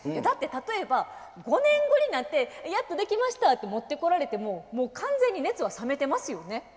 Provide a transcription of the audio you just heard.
だって例えば５年後になってやっと出来ましたって持ってこられてももう完全に熱は冷めてますよね。